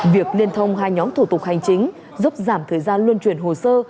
việc liên thông hai nhóm thủ tục hành chính giúp giảm thời gian luân chuyển hồ sơ